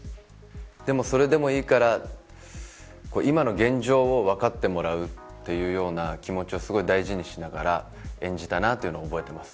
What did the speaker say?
でも、それでもいいから今の現状を分かってもらうというような気持ちをすごい大事にしながら演じたなというのを覚えています。